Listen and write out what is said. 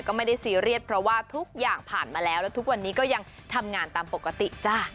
โปรดติดตามตอนต่อไป